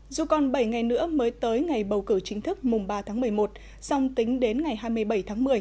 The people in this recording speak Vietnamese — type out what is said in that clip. dù còn bảy ngày nữa mới tới ngày bầu cử chính thức mùng ba tháng một mươi một song tính đến ngày hai mươi bảy tháng một mươi